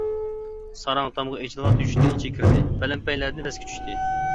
ساراڭ تامغا ئېچىلغان تۆشۈكتىن ئىچىگە كىردى، پەلەمپەيلەردىن پەسكە چۈشتى.